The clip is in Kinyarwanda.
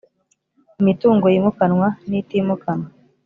Imitungo yimukanwa n itimukanwa